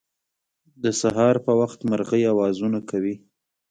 د سهار په وخت مرغۍ اوازونه کوی